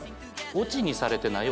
オチにされてない？